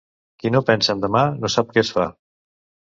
Qui no pensa en demà, no sap què es fa.